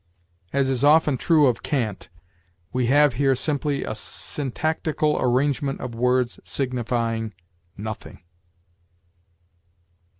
As is often true of cant, we have here simply a syntactical arrangement of words signifying nothing.